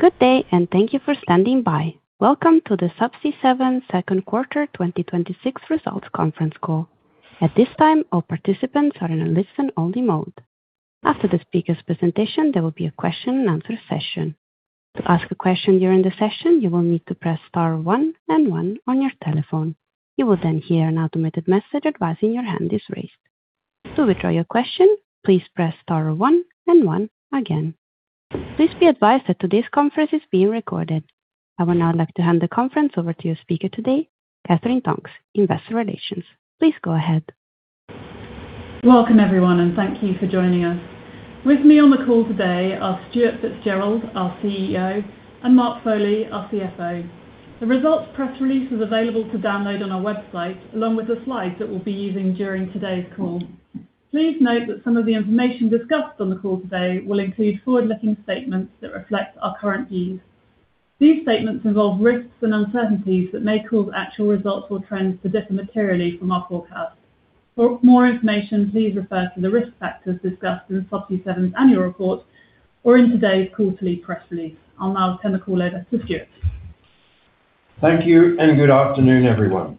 Good day and thank you for standing by. Welcome to the Subsea 7 Second Quarter 2026 Results Conference Call. At this time, all participants are in a listen-only mode. After the speakers' presentation, there will be a question-and-answer session. To ask a question during the session, you will need to press star one then one on your telephone. You will hear an automated message advising your hand is raised. To withdraw your question, please press star one and one again. Please be advised that today's conference is being recorded. I would now like to hand the conference over to your speaker today, Katherine Tonks, Investor Relations. Please go ahead. Welcome, everyone, and thank you for joining us. With me on the call today are Stuart Fitzgerald, our CEO, and Mark Foley, our CFO. The results press release is available to download on our website, along with the slides that we'll be using during today's call. Please note that some of the information discussed on the call today will include forward-looking statements that reflect our current views. These statements involve risks and uncertainties that may cause actual results or trends to differ materially from our forecast. For more information, please refer to the risk factors discussed in Subsea 7's annual report or in today's quarterly press release. I'll now turn the call over to Stuart. Thank you, and good afternoon, everyone.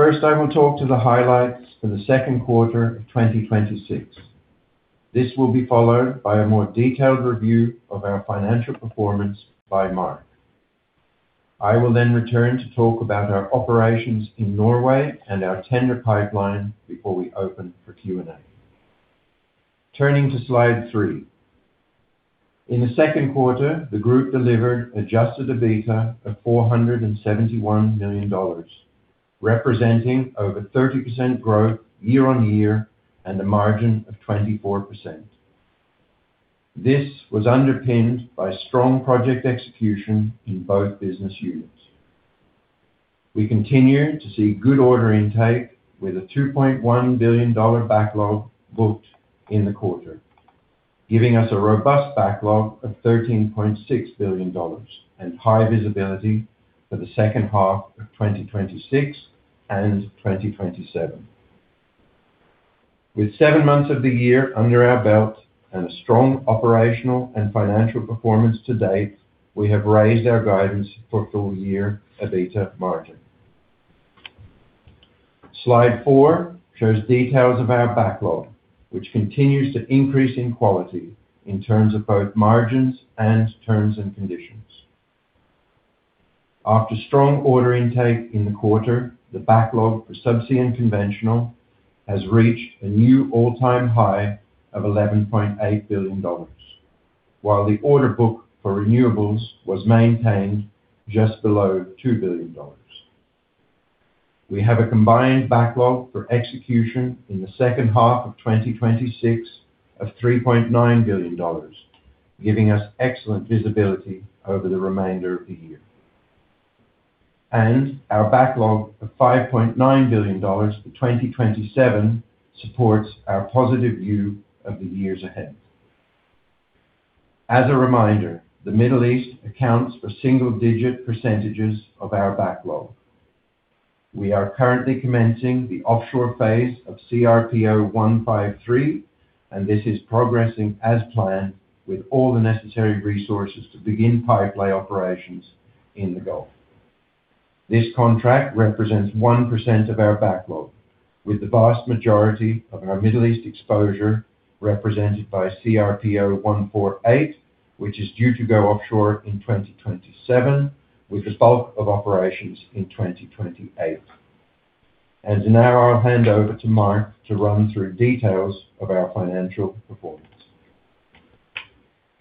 First, I will talk to the highlights for the second quarter of 2026. This will be followed by a more detailed review of our financial performance by Mark. I will return to talk about our operations in Norway and our tender pipeline before we open for Q&A. Turning to slide three. In the second quarter, the group delivered adjusted EBITDA of $471 million, representing over 30% growth year-on-year and a margin of 24%. This was underpinned by strong project execution in both business units. We continue to see good order intake with a $2.1 billion backlog booked in the quarter, giving us a robust backlog of $13.6 billion and high visibility for the second half of 2026 and 2027. With seven months of the year under our belt and a strong operational and financial performance to date, we have raised our guidance for full year EBITDA margin. Slide four shows details of our backlog, which continues to increase in quality in terms of both margins and terms and conditions. After strong order intake in the quarter, the backlog for Subsea and Conventional has reached a new all-time high of $11.8 billion, while the order book for Renewables was maintained just below $2 billion. We have a combined backlog for execution in the second half of 2026 of $3.9 billion, giving us excellent visibility over the remainder of the year. Our backlog of $5.9 billion for 2027 supports our positive view of the years ahead. As a reminder, the Middle East accounts for single-digit percentages of our backlog. We are currently commencing the offshore phase of CRPO 153, this is progressing as planned with all the necessary resources to begin pipe lay operations in the Gulf. This contract represents 1% of our backlog, with the vast majority of our Middle East exposure represented by CRPO 148, which is due to go offshore in 2027, with the bulk of operations in 2028. Now I'll hand over to Mark to run through details of our financial performance.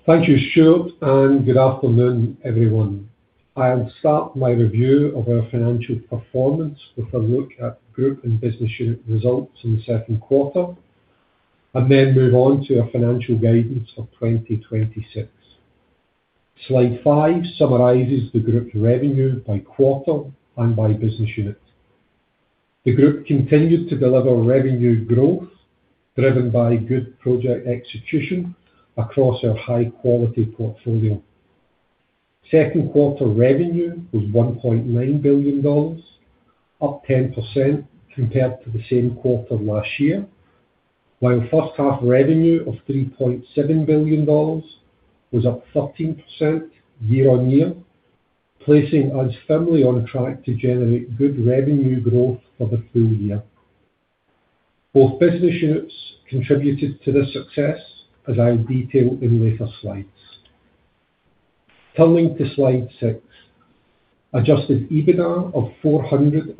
Thank you, Stuart, good afternoon, everyone. I'll start my review of our financial performance with a look at group and business unit results in the second quarter, then move on to our financial guidance for 2026. Slide five summarizes the group's revenue by quarter and by business unit. The group continued to deliver revenue growth driven by good project execution across our high-quality portfolio. Second quarter revenue was $1.9 billion, up 10% compared to the same quarter last year. While first half revenue of $3.7 billion was up 13% year-on-year, placing us firmly on track to generate good revenue growth for the full year. Both business units contributed to this success, as I'll detail in later slides. Turning to slide six. Adjusted EBITDA of $471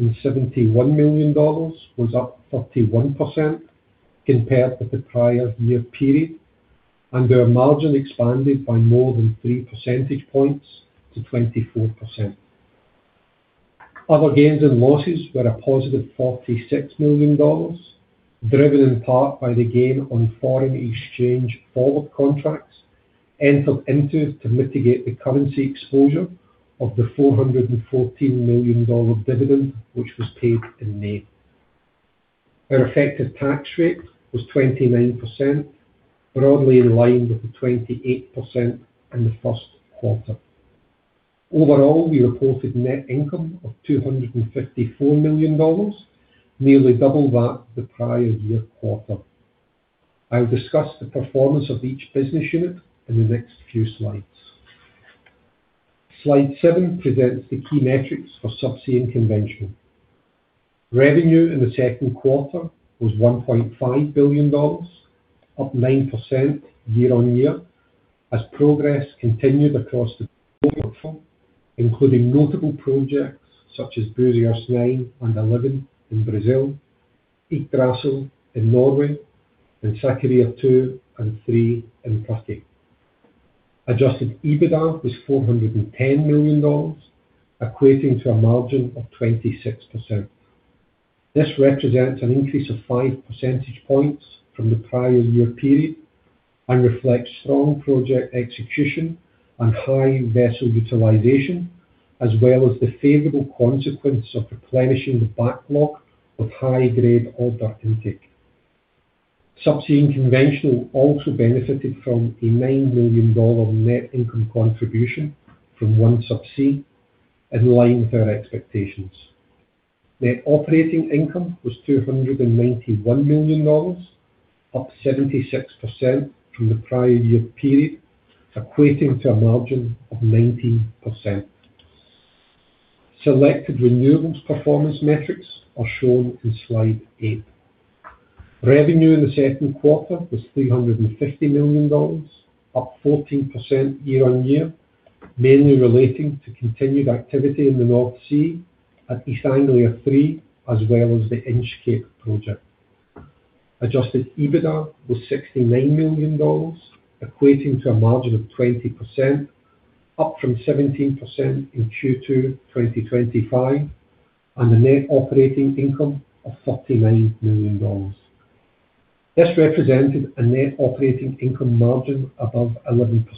million was up 31% compared to the prior year period, our margin expanded by more than 3 percentage points to 24%. Other gains and losses were a positive $46 million, driven in part by the gain on foreign exchange forward contracts entered into to mitigate the currency exposure of the $414 million dividend, which was paid in May. Our effective tax rate was 29%, broadly in line with the 28% in the first quarter. Overall, we reported net income of $254 million, nearly double that of the prior year quarter. I'll discuss the performance of each business unit in the next few slides. Slide seven presents the key metrics for Subsea and Conventional. Revenue in the second quarter was $1.5 billion, up 9% year-on-year as progress continued across the including notable projects such as Búzios 9 and 11 in Brazil, Ekofisk in Norway, and Sakarya 2 and 3 in Turkey. Adjusted EBITDA was $410 million, equating to a margin of 26%. This represents an increase of 5 percentage points from the prior year period and reflects strong project execution and high vessel utilization, as well as the favorable consequence of replenishing the backlog of high-grade order intake. Subsea and Conventional also benefited from a $9 million net income contribution from OneSubsea, in line with our expectations. Net operating income was $291 million, up 76% from the prior year period, equating to a margin of 19%. Selected Renewables performance metrics are shown in slide eight. Revenue in the second quarter was $350 million, up 14% year-on-year, mainly relating to continued activity in the North Sea at East Anglia THREE, as well as the Inch Cape project. Adjusted EBITDA was $69 million, equating to a margin of 20%, up from 17% in Q2 2025, and a net operating income of $39 million. This represented a net operating income margin above 11%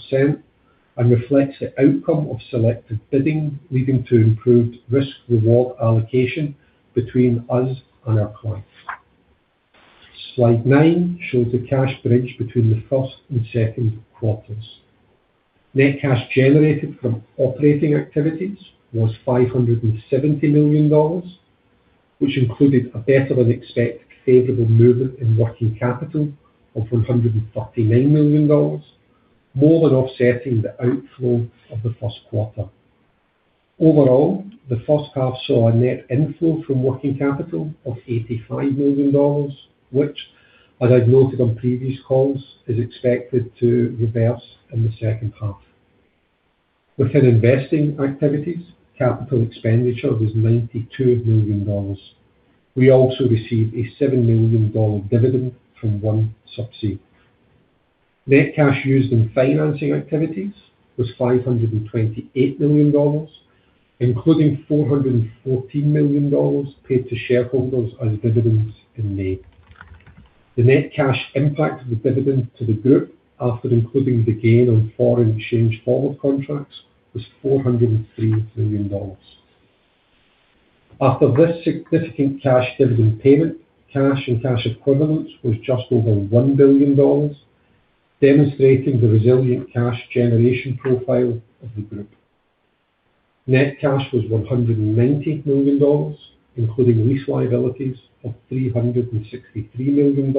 and reflects the outcome of selected bidding, leading to improved risk/reward allocation between us and our clients. Slide nine shows the cash bridge between the first and second quarters. Net cash generated from operating activities was $570 million, which included a better-than-expected favorable movement in working capital of $439 million, more than offsetting the outflow of the first quarter. Overall, the first half saw a net inflow from working capital of $85 million, which, as I've noted on previous calls, is expected to reverse in the second half. Within investing activities, capital expenditure was $92 million. We also received a $7 million dividend from OneSubsea. Net cash used in financing activities was $528 million, including $414 million paid to shareholders as dividends in May. The net cash impact of the dividend to the group after including the gain on foreign exchange forward contracts was $403 million. After this significant cash dividend payment, cash and cash equivalents was just over $1 billion, demonstrating the resilient cash generation profile of the group. Net cash was $190 million, including lease liabilities of $363 million,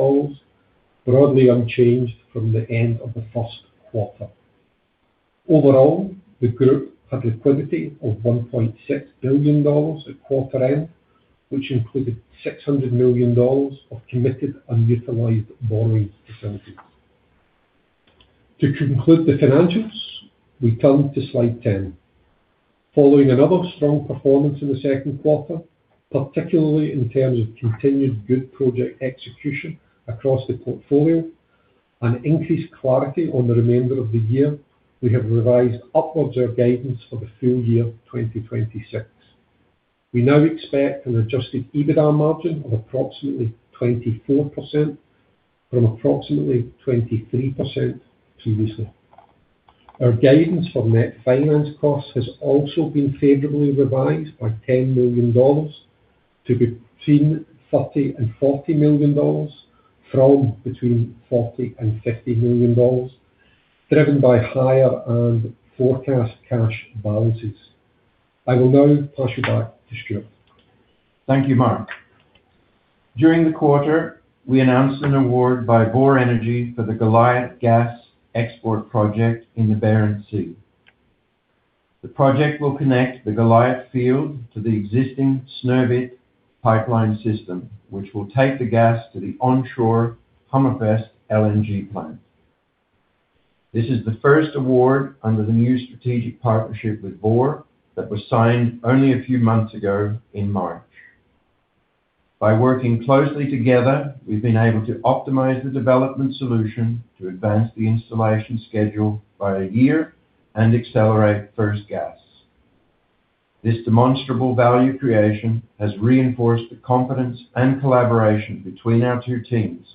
broadly unchanged from the end of the first quarter. Overall, the group had liquidity of $1.6 billion at quarter end, which included $600 million of committed and utilized borrowing facilities. To conclude the financials, we come to slide 10. Following another strong performance in the second quarter, particularly in terms of continued good project execution across the portfolio and increased clarity on the remainder of the year, we have revised upwards our guidance for the full year 2026. We now expect an adjusted EBITDA margin of approximately 24%, from approximately 23% previously. Our guidance for net finance costs has also been favorably revised by $10 million to between $30 million and $40 million from between $40 million and $50 million, driven by higher and forecast cash balances. I will now pass you back to Stuart. Thank you, Mark. During the quarter, we announced an award by Vår Energi for the Goliat Gas Export project in the Barents Sea. The project will connect the Goliat field to the existing Snøhvit pipeline system, which will take the gas to the onshore Hammerfest LNG plant. This is the first award under the new strategic partnership with Vår that was signed only a few months ago in March. By working closely together, we've been able to optimize the development solution to advance the installation schedule by a year and accelerate first gas. This demonstrable value creation has reinforced the confidence and collaboration between our two teams,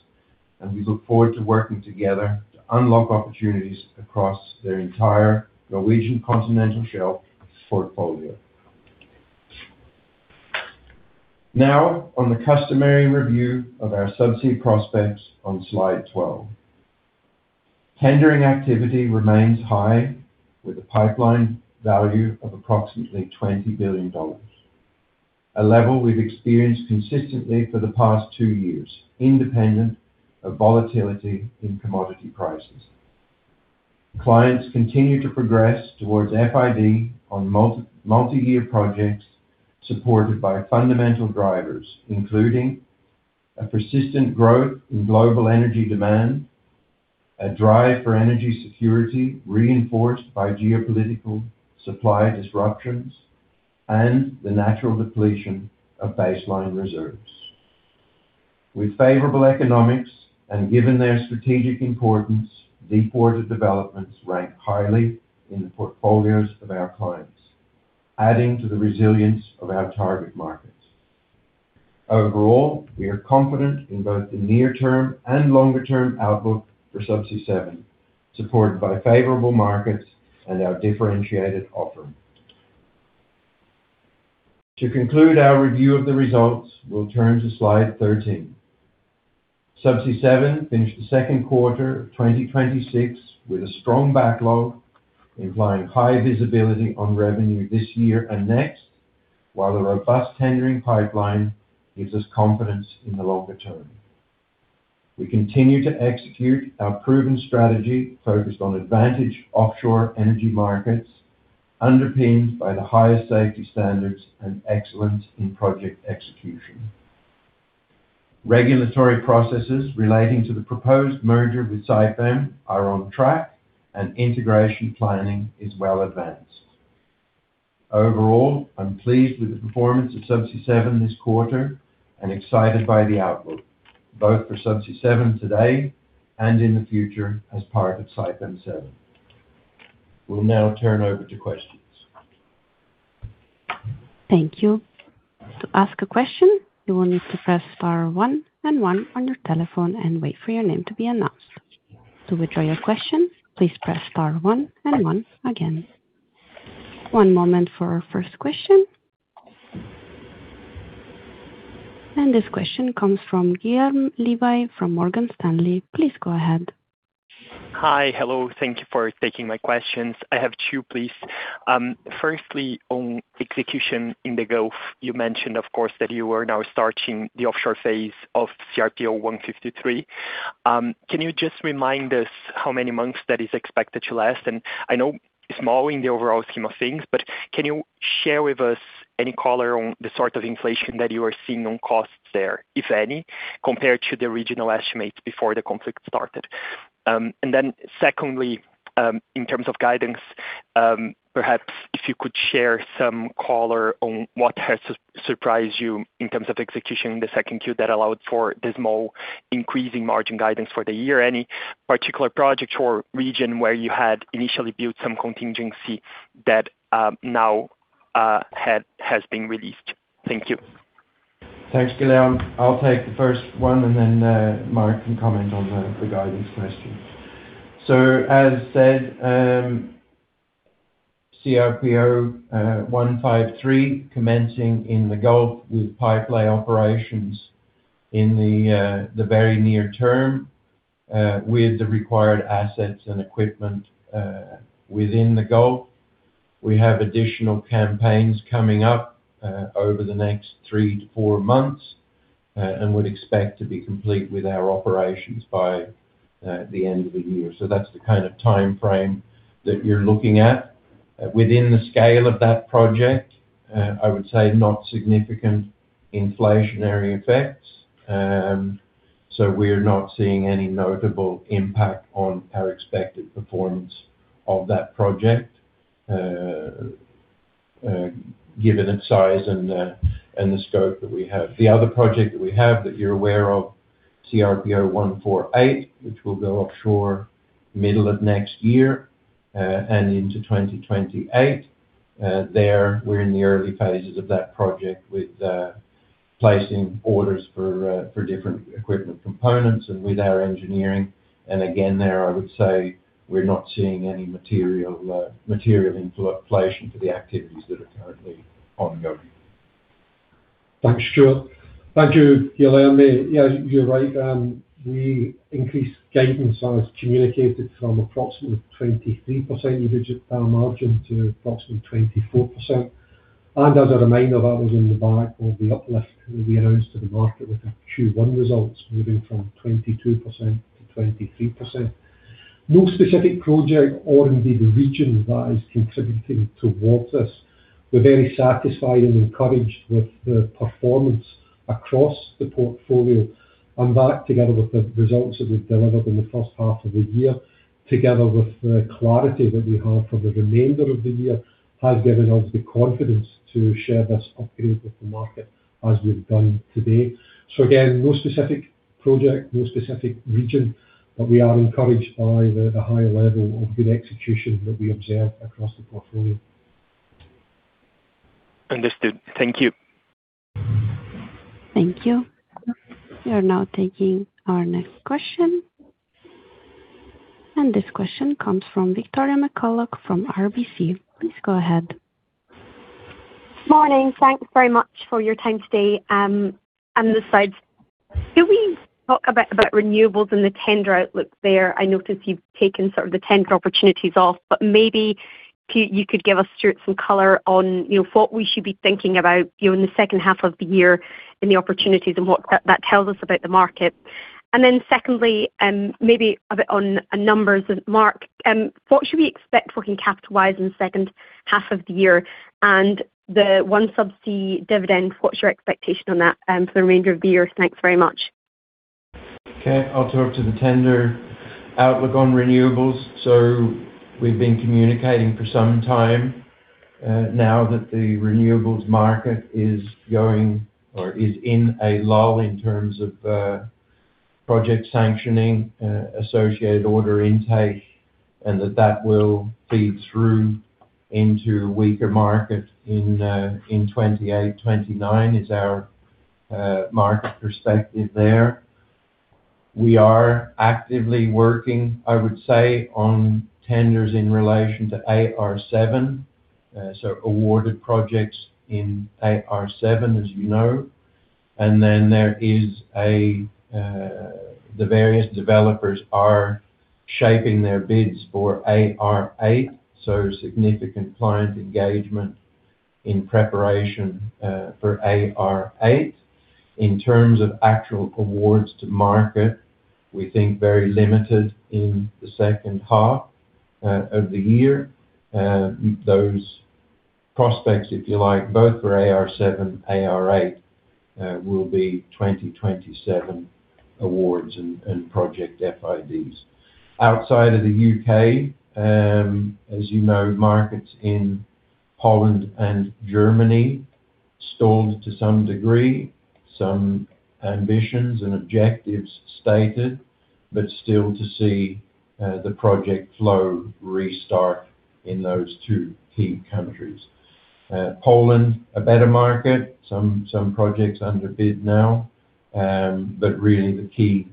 and we look forward to working together to unlock opportunities across their entire Norwegian continental shelf portfolio. Now on the customary review of our subsea prospects on slide 12. Tendering activity remains high, with a pipeline value of approximately $20 billion, a level we've experienced consistently for the past two years, independent of volatility in commodity prices. Clients continue to progress towards FID on multi-year projects supported by fundamental drivers, including a persistent growth in global energy demand, a drive for energy security reinforced by geopolitical supply disruptions, and the natural depletion of baseline reserves. With favorable economics and given their strategic importance, deepwater developments rank highly in the portfolios of our clients, adding to the resilience of our target markets. Overall, we are confident in both the near-term and longer-term outlook for Subsea 7, supported by favorable markets and our differentiated offering. To conclude our review of the results, we'll turn to slide 13. Subsea 7 finished the second quarter of 2026 with a strong backlog, implying high visibility on revenue this year and next, while a robust tendering pipeline gives us confidence in the longer term. We continue to execute our proven strategy focused on advantage offshore energy markets, underpinned by the highest safety standards and excellence in project execution. Regulatory processes relating to the proposed merger with Saipem are on track and integration planning is well advanced. Overall, I'm pleased with the performance of Subsea 7 this quarter and excited by the outlook, both for Subsea 7 today and in the future as part of Saipem 7. We'll now turn over to questions. Thank you. To ask a question, you will need to press star one and one on your telephone and wait for your name to be announced. To withdraw your question, please press star one and one again. One moment for our first question. This question comes from Guilherme Levy from Morgan Stanley. Please go ahead. Hi. Hello. Thank you for taking my questions. I have two, please. Firstly, on execution in the Gulf, you mentioned, of course, that you are now starting the offshore phase of CRPO 153. Can you just remind us how many months that is expected to last? I know it's small in the overall scheme of things, but can you share with us any color on the sort of inflation that you are seeing on costs there, if any, compared to the original estimates before the conflict started? Secondly, in terms of guidance, perhaps if you could share some color on what has surprised you in terms of execution in the second Q that allowed for the small increase in margin guidance for the year. Any particular project or region where you had initially built some contingency that now has been released? Thank you. Thanks, Guilherme. I'll take the first one, and then Mark can comment on the guidance question. As said, CRPO 153 commencing in the Gulf with pipe lay operations in the very near term, with the required assets and equipment within the Gulf. We have additional campaigns coming up over the next three to four months, and would expect to be complete with our operations by the end of the year. That's the kind of timeframe that you're looking at. Within the scale of that project, I would say not significant inflationary effects. We're not seeing any notable impact on our expected performance of that project, given its size and the scope that we have. The other project that we have that you're aware of, CRPO 148, which will go offshore middle of next year, and into 2028. There, we're in the early phases of that project with placing orders for different equipment components and with our engineering. Again, there, I would say we're not seeing any material inflation for the activities that are currently ongoing. Thanks, Stuart. Thank you, Guilherme. Yeah, you're right. We increased guidance as communicated from approximately 23% EBITDA margin to approximately 24%. As a reminder, that was on the back of the uplift that we announced to the market with our Q1 results moving from 22%, 23%. No specific project or indeed a region that is contributing towards this. We're very satisfied and encouraged with the performance across the portfolio. That, together with the results that we've delivered in the first half of the year, together with the clarity that we have for the remainder of the year, has given us the confidence to share this update with the market as we've done today. Again, no specific project, no specific region, but we are encouraged by the higher level of good execution that we observe across the portfolio. Understood. Thank you. Thank you. We are now taking our next question. This question comes from Victoria McCulloch from RBC. Please go ahead. Morning. Thanks very much for your time today. On the side, can we talk a bit about Renewables and the tender outlook there? I notice you've taken sort of the tender opportunities off, but maybe you could give us, Stuart, some color on what we should be thinking about in the second half of the year in the opportunities and what that tells us about the market. Secondly, maybe a bit on numbers. Mark, what should we expect working capital-wise in the second half of the year and the OneSubsea dividend, what's your expectation on that for the remainder of the year? Thanks very much. Okay, I'll talk to the tender outlook on Renewables. We've been communicating for some time, now that the Renewables market is going or is in a lull in terms of project sanctioning, associated order intake, and that will feed through into weaker market in 2028, 2029 is our market perspective there. We are actively working, I would say, on tenders in relation to AR7, so awarded projects in AR7, as you know. Then the various developers are shaping their bids for AR8, so significant client engagement in preparation for AR8. In terms of actual awards to market, we think very limited in the second half of the year. Those prospects, if you like, both for AR7, AR8, will be 2027 awards and project FIDs. Outside of the U.K., as you know, markets in Holland and Germany stalled to some degree. Some ambitions and objectives stated, still to see the project flow restart in those two key countries. Poland, a better market. Some projects under bid now. Really the key,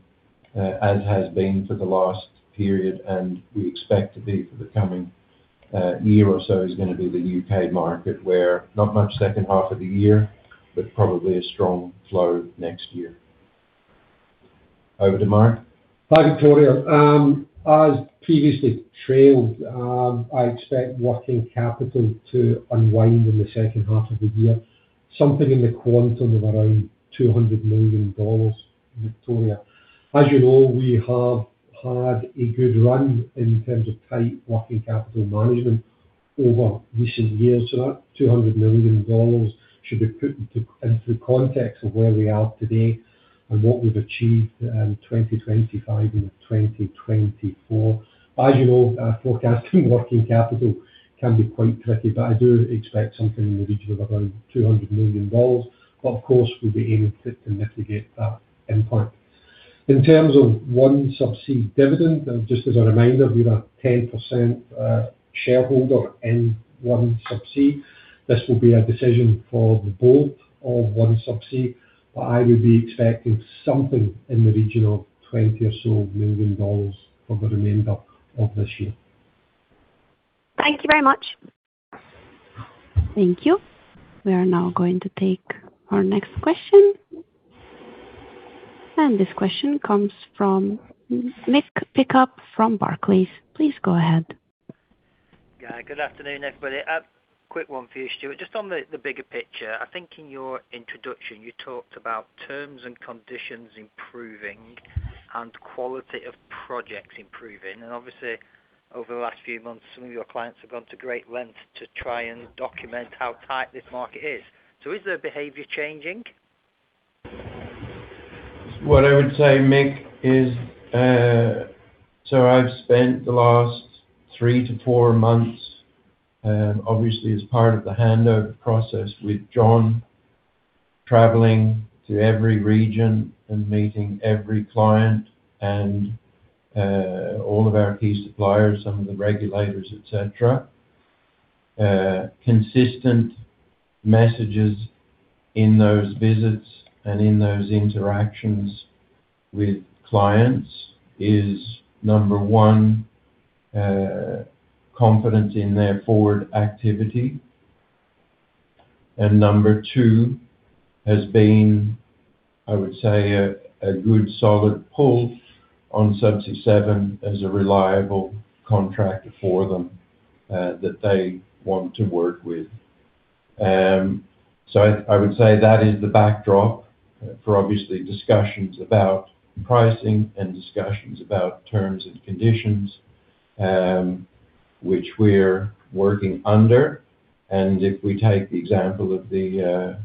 as has been for the last period, and we expect to be for the coming year or so, is going to be the U.K. market, where not much second half of the year, but probably a strong flow next year. Over to Mark. Hi, Victoria. As previously trailed, I expect working capital to unwind in the second half of the year, something in the quantum of around $200 million, Victoria. As you know, we have had a good run in terms of tight working capital management over recent years. That $200 million should be put into the context of where we are today and what we've achieved in 2025 and 2024. As you know, forecasting working capital can be quite tricky, but I do expect something in the region of around $200 million. Of course, we'll be able to mitigate that impact. In terms of OneSubsea dividend, just as a reminder, we are a 10% shareholder in OneSubsea. This will be a decision for the board of OneSubsea, but I would be expecting something in the region of around $20 million or so for the remainder of this year. Thank you very much. Thank you. We are now going to take our next question. This question comes from Mick Pickup from Barclays. Please go ahead. Yeah. Good afternoon, everybody. A quick one for you, Stuart. Just on the bigger picture, I think in your introduction, you talked about terms and conditions improving and quality of projects improving. Obviously, over the last few months, some of your clients have gone to great lengths to try and document how tight this market is. Is their behavior changing? What I would say, Mick, is, I've spent the last three to four months, obviously as part of the handover process with John, traveling to every region and meeting every client and all of our key suppliers, some of the regulators, et cetera. Consistent messages in those visits and in those interactions with clients is, number one, confidence in their forward activity. Number two has been, I would say, a good solid pull on Subsea 7 as a reliable contractor for them, that they want to work with. I would say that is the backdrop for obviously discussions about pricing and discussions about terms and conditions, which we're working under. If we take the example of the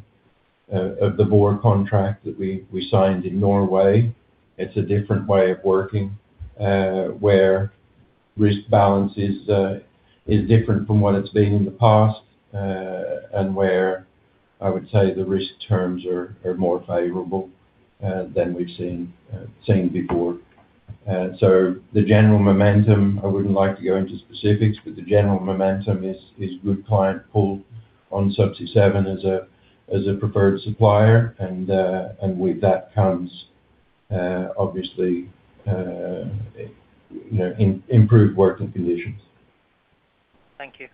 Vår contract that we signed in Norway, it's a different way of working, where risk balance is different from what it's been in the past, and where I would say the risk terms are more favorable than we've seen before. The general momentum, I wouldn't like to go into specifics, but the general momentum is good client pull on Subsea 7 as a preferred supplier, and with that comes obviously improved working conditions. Thank you.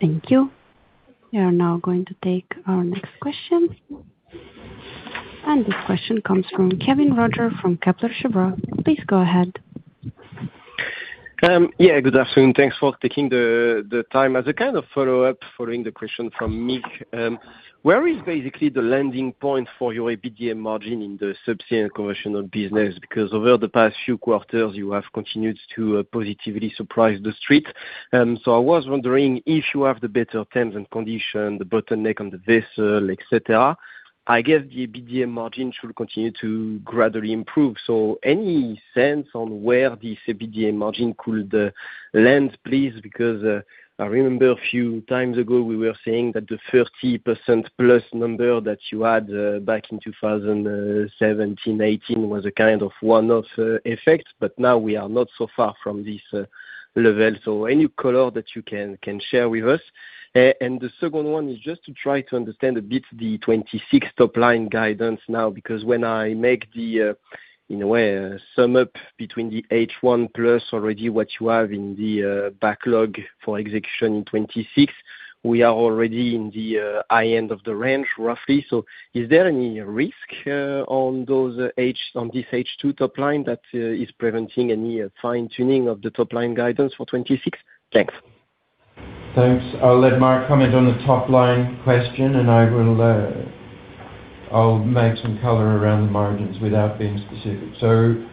Thank you. We are now going to take our next question. This question comes from Kévin Roger from Kepler Cheuvreux. Please go ahead. Yeah. Good afternoon. Thanks for taking the time. As a follow-up, following the question from Mick, where is basically the landing point for your EBITDA margin in the Subsea and Conventional business? Over the past few quarters, you have continued to positively surprise the street. I was wondering if you have the better terms and conditions, the bottleneck on the vessel, et cetera, I guess the EBITDA margin should continue to gradually improve. Any sense on where this EBITDA margin could land, please? I remember a few times ago, we were saying that the 30% plus number that you had back in 2017, 2018 was a one-off effect, but now we are not so far from this level. Any color that you can share with us? The second one is just to try to understand a bit the 2026 top line guidance now, when I make, in a way, a sum up between the H1 plus already what you have in the backlog for execution in 2026, we are already in the high end of the range, roughly. Is there any risk on this H2 top line that is preventing any fine-tuning of the top-line guidance for 2026? Thanks. Thanks. I'll let Mark comment on the top-line question and I'll make some color around the margins without being specific.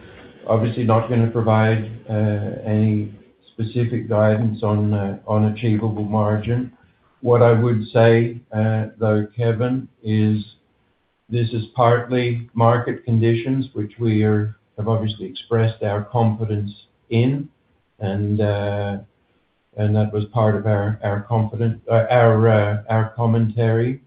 Obviously, not going to provide any specific guidance on achievable margin. What I would say, though, Kévin, is this is partly market conditions, which we have obviously expressed our confidence in, and that was part of our commentary.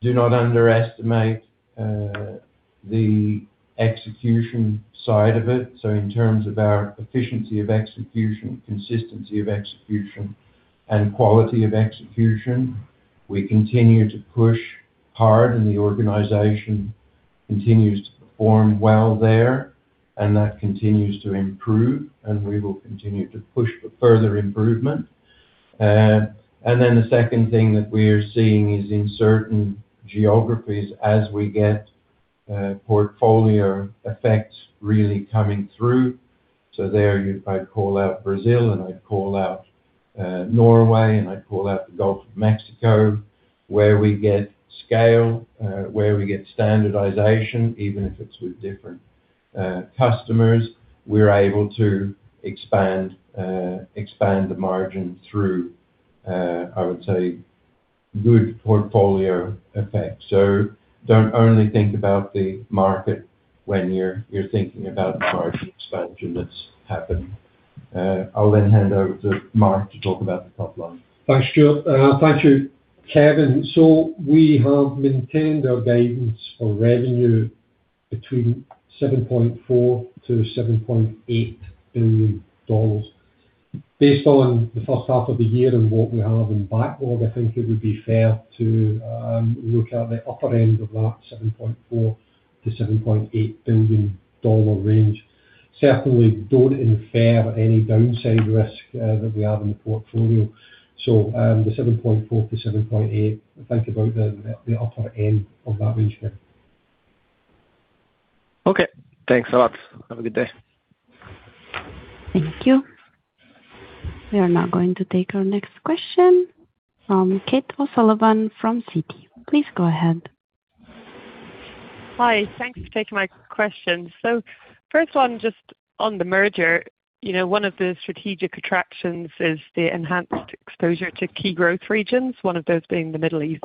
Do not underestimate the execution side of it. In terms of our efficiency of execution, consistency of execution, and quality of execution, we continue to push hard and the organization continues to perform well there, and that continues to improve and we will continue to push for further improvement. Then the second thing that we are seeing is in certain geographies as we get portfolio effects really coming through. There, I'd call out Brazil and I'd call out Norway, and I'd call out the Gulf of Mexico, where we get scale, where we get standardization, even if it's with different customers. We are able to expand the margin through, I would say, good portfolio effect. Don't only think about the market when you're thinking about the margin expansion that's happened. I'll then hand over to Mark to talk about the top line. Thanks, Stuart. Thank you, Kévin. We have maintained our guidance for revenue between $7.4 billion-$7.8 billion. Based on the first half of the year and what we have in backlog, I think it would be fair to look at the upper end of that $7.4 billion-$7.8 billion range. Certainly don't infer any downside risk that we have in the portfolio. The $7.4 billion-$7.8 billion, think about the upper end of that range there. Okay. Thanks a lot. Have a good day. Thank you. We are now going to take our next question from Kate O'Sullivan from Citi. Please go ahead. Hi. Thanks for taking my question. First one, just on the merger. One of the strategic attractions is the enhanced exposure to key growth regions, one of those being the Middle East.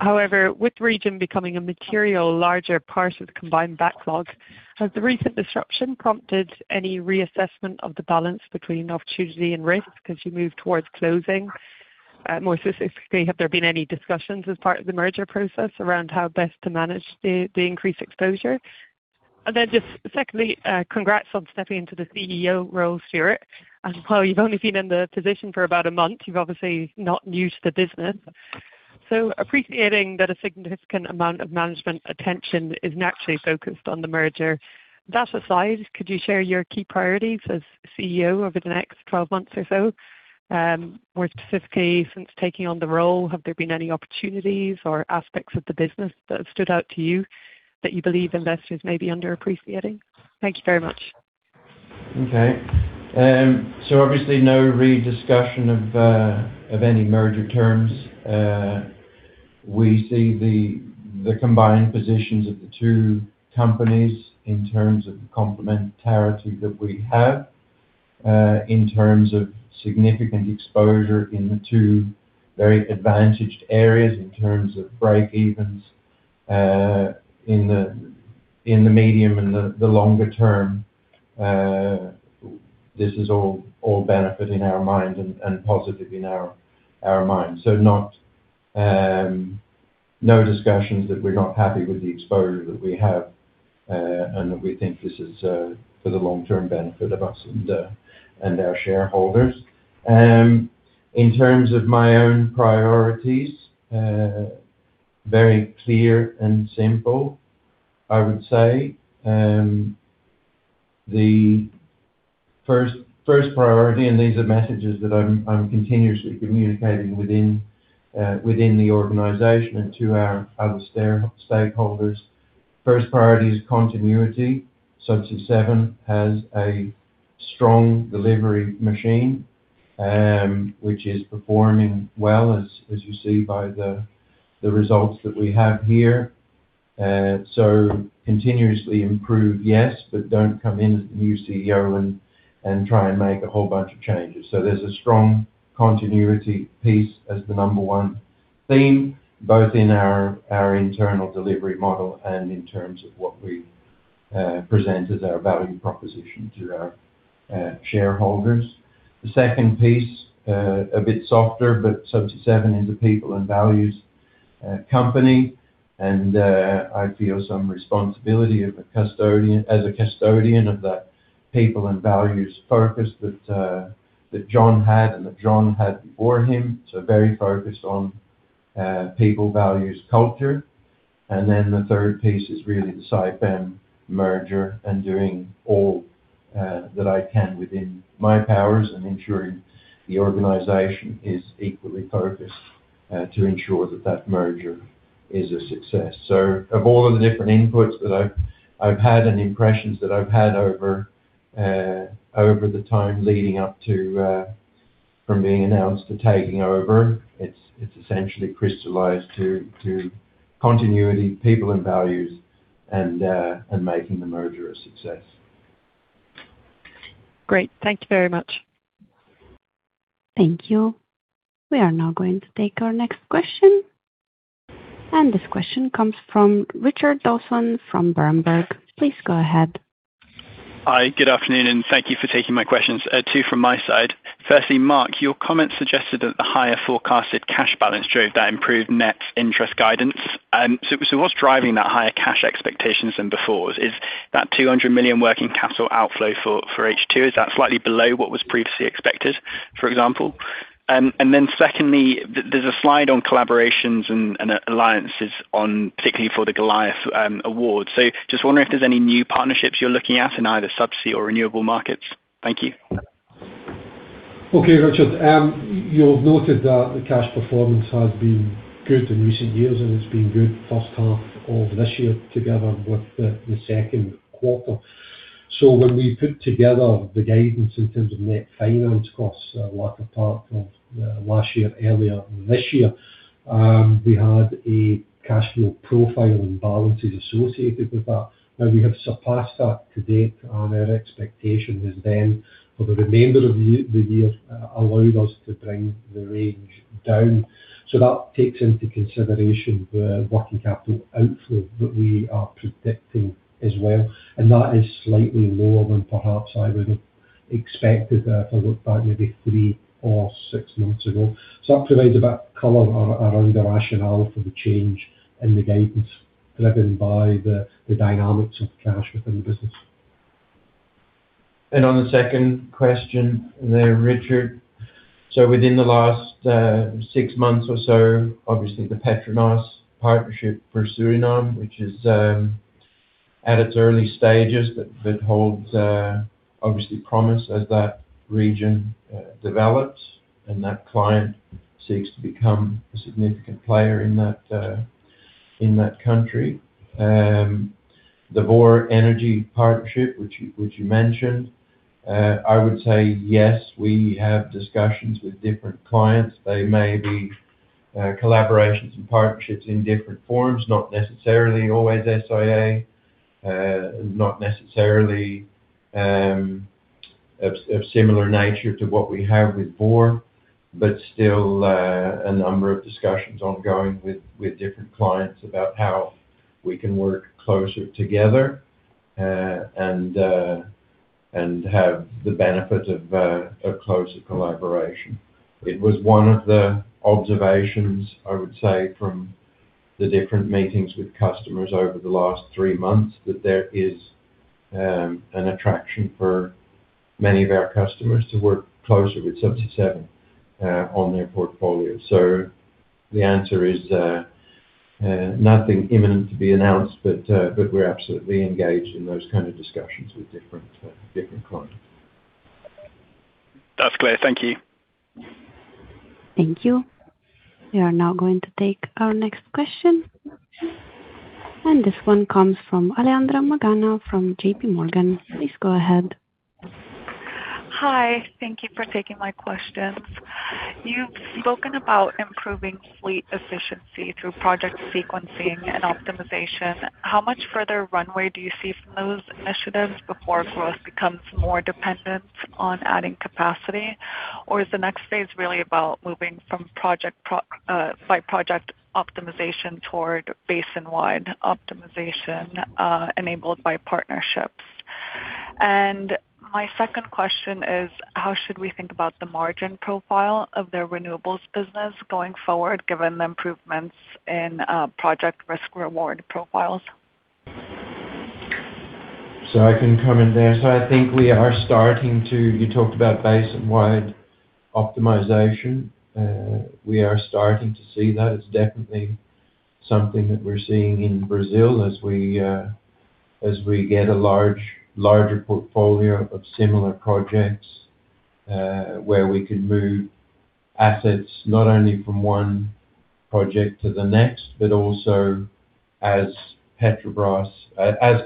However, with the region becoming a material larger part of the combined backlog, has the recent disruption prompted any reassessment of the balance between opportunity and risk as you move towards closing? More specifically, have there been any discussions as part of the merger process around how best to manage the increased exposure? Then just secondly, congrats on stepping into the CEO role, Stuart. While you've only been in the position for about a month, you're obviously not new to the business. Appreciating that a significant amount of management attention is naturally focused on the merger. That aside, could you share your key priorities as CEO over the next 12 months or so? More specifically, since taking on the role, have there been any opportunities or aspects of the business that have stood out to you that you believe investors may be underappreciating? Thank you very much. Okay. Obviously no re-discussion of any merger terms. We see the combined positions of the two companies in terms of the complementarity that we have, in terms of significant exposure in the two very advantaged areas, in terms of break evens, in the medium and the longer term. This is all benefit in our mind and positive in our minds. Not No discussions that we're not happy with the exposure that we have, and that we think this is for the long-term benefit of us and our shareholders. In terms of my own priorities, very clear and simple, I would say. The first priority, and these are messages that I'm continuously communicating within the organization and to our other stakeholders. First priority is continuity. Subsea 7 has a strong delivery machine, which is performing well, as you see by the results that we have here. Continuously improve, yes, but don't come in as the new CEO and try and make a whole bunch of changes. There's a strong continuity piece as the number one theme, both in our internal delivery model and in terms of what we present as our value proposition to our shareholders. The second piece, a bit softer, but Subsea 7 is a people and values company, and I feel some responsibility as a custodian of the people and values focus that John had and that John had before him. Very focused on people, values, culture. The third piece is really the Saipem merger and doing all that I can within my powers and ensuring the organization is equally focused to ensure that that merger is a success. Of all of the different inputs that I've had and impressions that I've had over the time leading up to from being announced to taking over, it's essentially crystallized to continuity, people and values and making the merger a success. Great. Thank you very much. Thank you. We are now going to take our next question. This question comes from Richard Dawson from Berenberg. Please go ahead. Hi, good afternoon. Thank you for taking my questions. Two from my side. Firstly, Mark, your comment suggested that the higher forecasted cash balance drove that improved net interest guidance. What's driving that higher cash expectations than before? Is that $200 million working capital outflow for H2? Is that slightly below what was previously expected, for example? Secondly, there's a slide on collaborations and alliances on particularly for the Goliat Award. Just wondering if there's any new partnerships you're looking at in either subsea or renewable markets. Thank you. Okay, Richard. You'll have noted that the cash performance has been good in recent years. It's been good first half of this year together with the second quarter. When we put together the guidance in terms of net finance costs, like a part of last year, earlier this year, we had a cash flow profile and balances associated with that. We have surpassed that to date, our expectation is then for the remainder of the year allowed us to bring the range down. That takes into consideration the working capital outflow that we are predicting as well. That is slightly lower than perhaps I would have expected if I looked back maybe three or six months ago. That provides about color around the rationale for the change in the guidance, driven by the dynamics of cash within the business. On the second question there, Richard. Within the last six months or so, obviously the PETRONAS partnership for Suriname, which is at its early stages, but that holds obviously promise as that region develops and that client seeks to become a significant player in that country. The Vår Energi partnership, which you mentioned, I would say, yes, we have discussions with different clients. They may be collaborations and partnerships in different forms, not necessarily always SIA, not necessarily of similar nature to what we have with Vår, but still a number of discussions ongoing with different clients about how we can work closer together and have the benefit of closer collaboration. It was one of the observations, I would say, from the different meetings with customers over the last three months that there is an attraction for many of our customers to work closer with Subsea 7 on their portfolio. The answer is, nothing imminent to be announced, but we're absolutely engaged in those kind of discussions with different clients. That's clear. Thank you. Thank you. We are now going to take our next question, and this one comes from Alejandra Magana from JPMorgan. Please go ahead. Hi. Thank you for taking my questions. You've spoken about improving fleet efficiency through project sequencing and optimization. How much further runway do you see from those initiatives before growth becomes more dependent on adding capacity? Is the next phase really about moving from by project optimization toward basinwide optimization enabled by partnerships? My second question is, how should we think about the margin profile of their Renewables business going forward, given the improvements in project risk-reward profiles? I can comment there. You talked about basinwide optimization. We are starting to see that. It's definitely something that we're seeing in Brazil as we get a larger portfolio of similar projects, where we can move assets not only from one project to the next but also as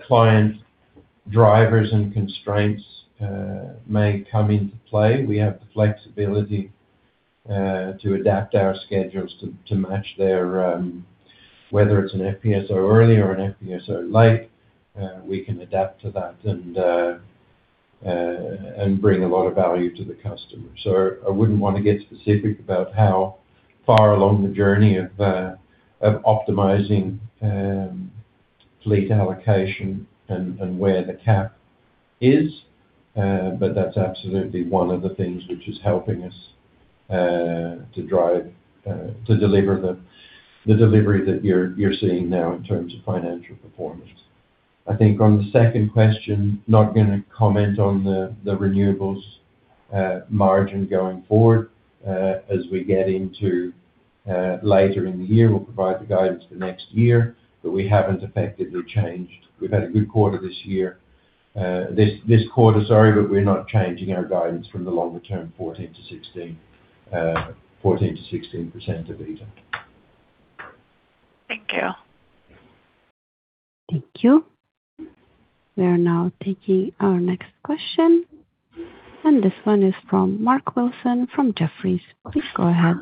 client drivers and constraints may come into play. We have the flexibility to adapt our schedules to match their, whether it's an FPSO early or an FPSO late, we can adapt to that and bring a lot of value to the customer. I wouldn't want to get specific about how far along the journey of optimizing fleet allocation and where the cap is. That's absolutely one of the things which is helping us to deliver the delivery that you're seeing now in terms of financial performance. I think on the second question, not going to comment on the Renewables margin going forward. As we get into later in the year, we'll provide the guidance for next year, we haven't effectively changed. We've had a good this quarter, we're not changing our guidance from the longer term 14%-16% EBITDA. Thank you. Thank you. We are now taking our next question. This one is from Mark Wilson from Jefferies. Please go ahead.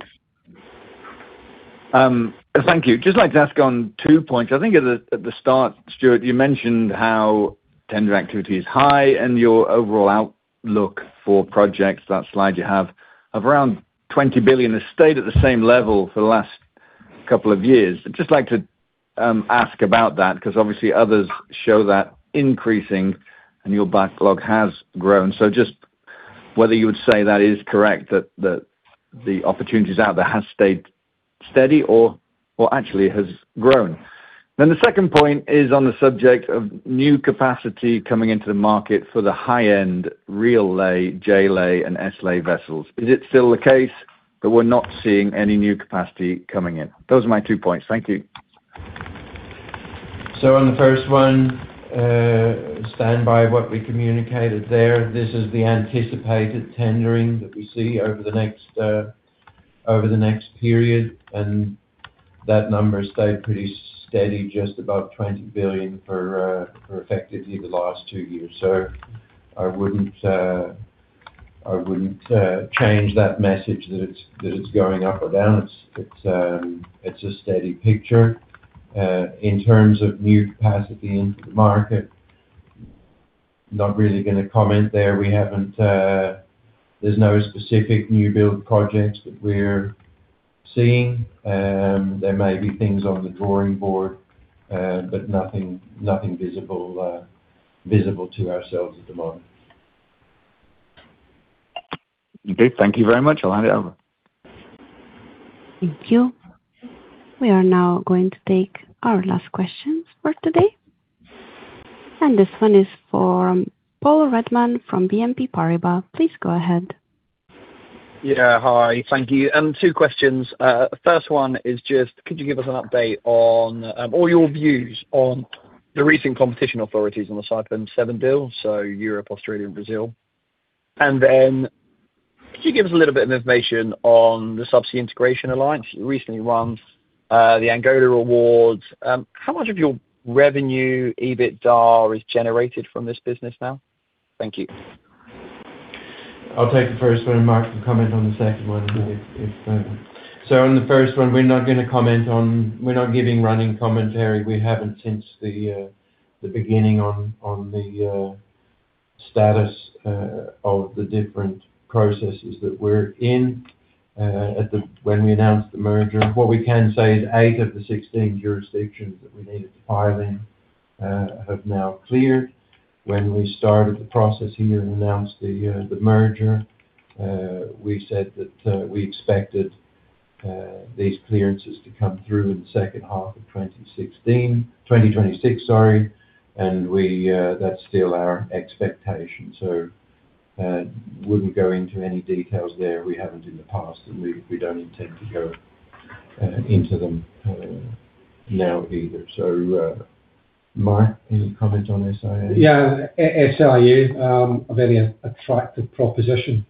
Thank you. Just like to ask on two points. I think at the start, Stuart, you mentioned how tender activity is high and your overall outlook for projects, that slide you have of around $20 billion has stayed at the same level for the last couple of years. I'd just like to ask about that because obviously others show that increasing and your backlog has grown. Just whether you would say that is correct, that the opportunities out there has stayed steady or actually has grown. The second point is on the subject of new capacity coming into the market for the high-end reel-lay, J-lay, and S-lay vessels. Is it still the case that we're not seeing any new capacity coming in? Those are my two points. Thank you. On the first one, stand by what we communicated there. This is the anticipated tendering that we see over the next period, and that number stayed pretty steady, just above $20 billion for effectively the last two years. I wouldn't change that message that it's going up or down. It's a steady picture. In terms of new capacity into the market, not really going to comment there. There's no specific new build projects that we're seeing. There may be things on the drawing board, but nothing visible to ourselves at the moment. Okay, thank you very much. I'll hand it over. Thank you. We are now going to take our last questions for today. This one is for Paul Redman from BNP Paribas. Please go ahead. Hi. Thank you. Two questions. First one is just could you give us an update on all your views on the recent competition authorities on the Subsea 7 deal, so Europe, Australia, and Brazil? Then could you give us a little bit of information on the Subsea Integration Alliance? You recently won the Angola awards. How much of your revenue, EBITDA, is generated from this business now? Thank you. I'll take the first one, Mark can comment on the second one if. On the first one, we're not going to comment on, we're not giving running commentary. We haven't since the beginning on the status of the different processes that we're in when we announced the merger. What we can say is eight of the 16 jurisdictions that we needed to file in have now cleared. When we started the process here and announced the merger, we said that we expected these clearances to come through in the second half of 2026. That's still our expectation. Wouldn't go into any details there. We haven't in the past, and we don't intend to go into them now either. Mark, any comment on SIA? SIA, a very attractive proposition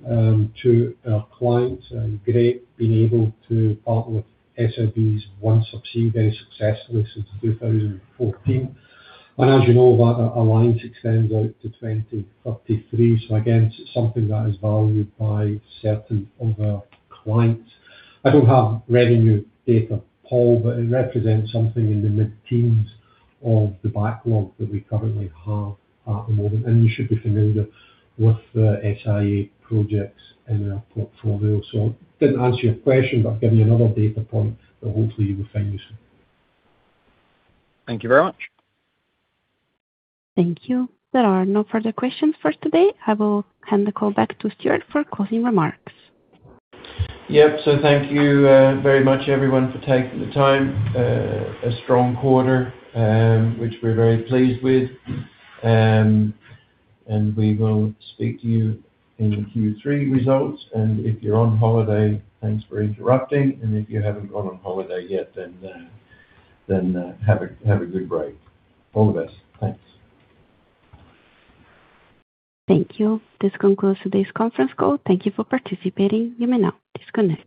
to our clients, and great being able to partner with SLB's OneSubsea very successfully since 2014. As you know, that alliance extends out to 2033. Again, something that is valued by certain of our clients. I don't have revenue data, Paul, but it represents something in the mid-teens of the backlog that we currently have at the moment. You should be familiar with the SIA projects in our portfolio. Didn't answer your question, but I've given you another data point that hopefully you will find useful. Thank you very much. Thank you. There are no further questions for today. I will hand the call back to Stuart for closing remarks. Yep. Thank you very much everyone for taking the time. A strong quarter, which we're very pleased with. We will speak to you in the Q3 results. If you're on holiday, thanks for interrupting. If you haven't gone on holiday yet, have a good break. All the best. Thanks. Thank you. This concludes today's conference call. Thank you for participating. You may now disconnect.